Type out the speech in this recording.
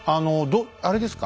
あれですか？